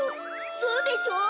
そうでしょ？